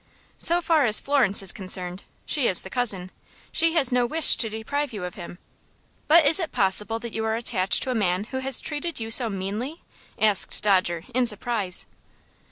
"So far as Florence is concerned she is the cousin she has no wish to deprive you of him. But is it possible that you are attached to a man who has treated you so meanly?" asked Dodger, in surprise.